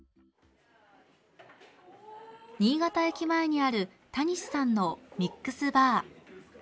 新潟駅前にあるたにしさんのミックスバー。